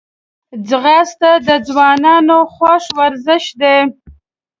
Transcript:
ځغاسته د ځوانانو خوښ ورزش دی